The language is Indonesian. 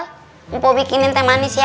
insya allah bikinin teh manis ya